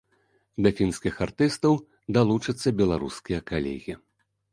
Да фінскіх артыстаў далучацца беларускія калегі.